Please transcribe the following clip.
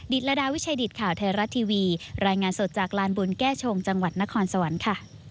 ระดาวิชัยดิตข่าวไทยรัฐทีวีรายงานสดจากลานบุญแก้ชงจังหวัดนครสวรรค์ค่ะ